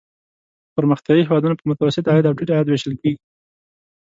پرمختیايي هېوادونه په متوسط عاید او ټیټ عاید ویشل کیږي.